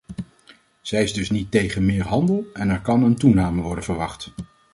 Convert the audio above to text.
Zij is dus niet tegen meer handel, en er kan een toename worden verwacht.